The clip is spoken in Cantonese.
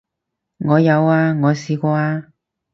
我有啊，我試過啊